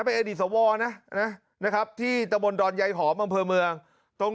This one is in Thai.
เป็นอดีตสวรรค์นะนะนะครับที่ตมรดรยายหอมอำเภอเมืองตรง